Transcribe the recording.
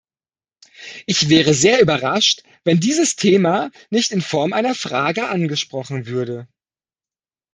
Ich wäre sehr überrascht, wenn dieses Thema nicht in Form einer Frage angesprochen würde.